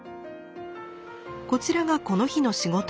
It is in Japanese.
こちらがこの日の仕事着。